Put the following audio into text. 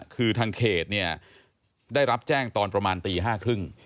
คือทางเขตเนี่ยได้รับแจ้งตอนประมาณตี๕๓๐